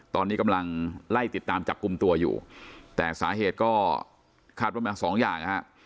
ตอนนี้กำลังไล่ติดตามจับกลุ่มตัวอยู่แต่สาเหตุก็คาดว่ามาสองอย่างนะฮะ